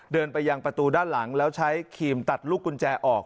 เดินไปยังประตูด้านหลังแล้วใช้ครีมตัดลูกกุญแจออก